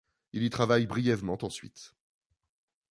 Il y travaille brièvement ensuite.